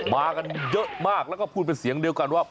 มากันเยอะมากแล้วก็พูดเป็นเสียงเดียวกันว่า